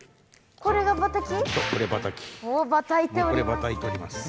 こればたいております。